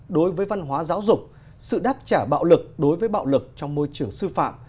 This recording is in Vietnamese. đối với văn hóa giáo dục sự đáp trả bạo lực đối với bạo lực trong môi trường sư phạm